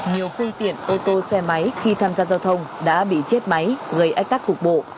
nhiều phương tiện ô tô xe máy khi tham gia giao thông đã bị chết máy gây ách tắc cục bộ